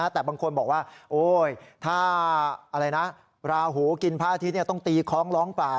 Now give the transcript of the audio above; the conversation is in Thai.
แต่บางคนบอกว่าโอ๊ยถ้าราหูกินพระอาทิตย์ต้องตีคล้องร้องเปล่า